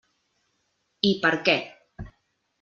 I per què.